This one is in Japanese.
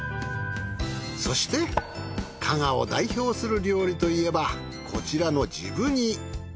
そして加賀を代表する料理といえばこちらの治部煮。